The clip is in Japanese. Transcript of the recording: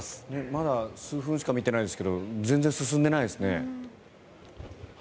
まだ数分しか見てないですけど全然進んでいないですね。